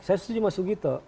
saya setuju mas sugito